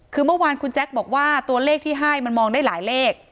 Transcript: คือเมื่อวานคุณแจ๊คบอกว่าตัวเลขที่ให้มันมองได้หลายเลข